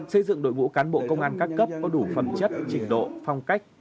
xây dựng đội ngũ cán bộ công an các cấp có đủ phẩm chất trình độ phong cách